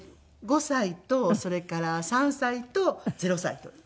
５歳とそれから３歳と０歳という。